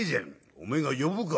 「おめえが呼ぶからよ」。